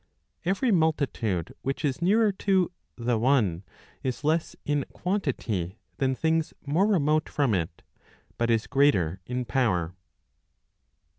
Every multitude which is nearer to the one t is less in quantity than things more remote firom it, but is greater in power.